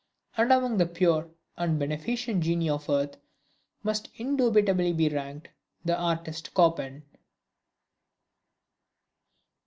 and among the pure and beneficent genii of earth must indubitably be ranked the artist Chopin!